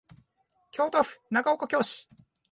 京都府長岡京市